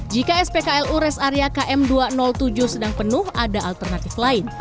jika spklu res area km dua ratus tujuh sedang penuh ada alternatif lain